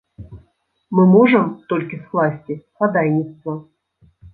Мы можам толькі скласці хадайніцтва.